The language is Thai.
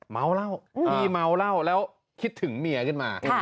เมาเหล้าพี่เมาเหล้าแล้วคิดถึงเมียขึ้นมา